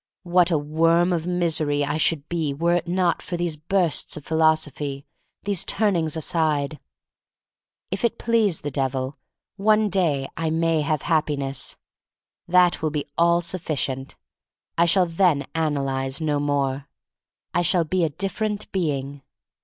What a worm of misery I should be were it not for these bursts of philoso phy, these turnings aside! If it please the Devil, one day I may have Happiness. That will be all suffi cient. I shall then analyze no more. I shall be a different being.